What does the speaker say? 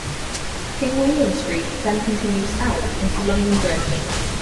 King William Street then continues south into London Bridge.